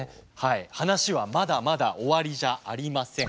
話はまだまだ終わりじゃありません。